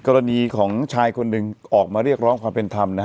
กรณีของชายคนหนึ่งออกมาเรียกร้องความเป็นธรรมนะฮะ